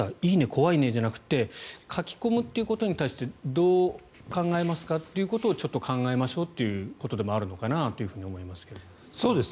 怖いなじゃなくて書き込むということに対してどう考えますかということをちょっと考えましょうということでもあるかと思いますが。